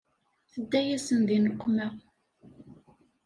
Tedda-yasen di nneqma.